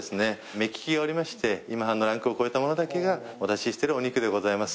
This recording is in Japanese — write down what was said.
目利きがおりまして今半のランクを超えたものだけがお出ししてるお肉でございます。